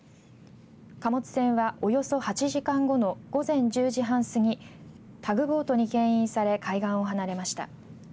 貨物船はおよそ８時間後の午前１０時半過ぎタグボートにけん引され海岸を離れました。